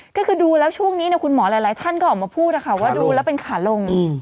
ก็คือดูแล้วช่วงนี้คุณหมอหลายท่านก็ออกมาพูดนะคะว่าดูแล้วเป็นขาลง